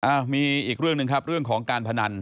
อ้าวมีอีกเรื่องหนึ่งครับเรื่องของการพนัน